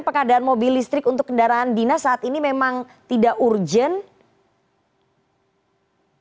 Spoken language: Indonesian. pengadaan mobil listrik untuk kendaraan dinas saat ini memang tidak urgent